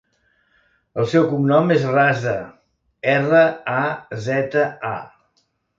El seu cognom és Raza: erra, a, zeta, a.